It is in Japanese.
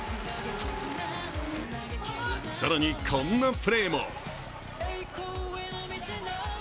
更にこんなプレーも。